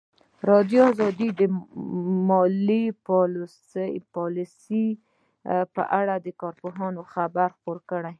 ازادي راډیو د مالي پالیسي په اړه د کارپوهانو خبرې خپرې کړي.